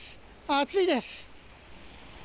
暑いです。